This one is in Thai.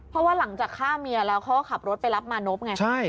เพราะว่าหลังจากฆ่าเมียแล้วเขาก็ขับรถไปรับมานพไง